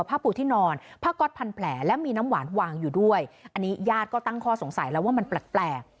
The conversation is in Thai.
ผ้าปูที่นอนผ้าก๊อตพันแผลและมีน้ำหวานวางอยู่ด้วยอันนี้ญาติก็ตั้งข้อสงสัยแล้วว่ามันแปลก